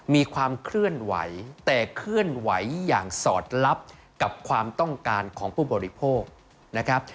มีความเคลื่อนไหวแต่เคลื่อนไหวอย่างสอดลับกับความต้องการของผู้บริโภคนะครับ